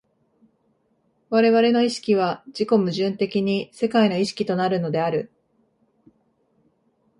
我々の意識は自己矛盾的に世界の意識となるのである。